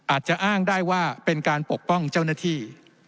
อาจจะอ้างได้ว่าเป็นการปกป้องเจ้าหน้าที่